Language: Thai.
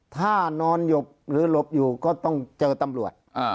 ถ้านอนหยบหรือหลบอยู่ก็ต้องเจอตำรวจ